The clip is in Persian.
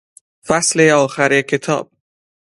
فصل آخر کتاب